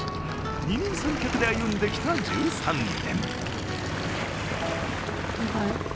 二人三脚で歩んできた１３年。